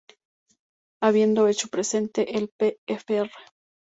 Habiendo hecho presente el P. Fr.